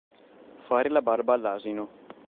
Fare la barba all'asino.